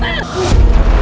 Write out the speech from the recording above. saya menjaga kelanjar